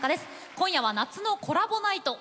今日は「夏のコラボナイト」です。